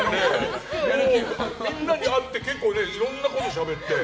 みんなに会っていろんなことをしゃべって。